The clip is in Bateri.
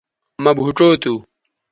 مہ بھوچو تھو